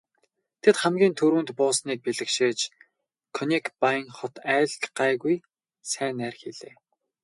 Тэд хамгийн түрүүнд буусныг бэлэгшээж Конекбайн хот айл гайгүй сайн найр хийлээ.